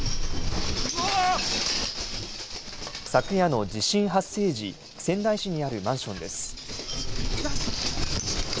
昨夜の地震発生時、仙台市にあるマンションです。